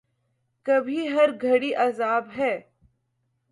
کبھی ہر گھڑی عذاب ہے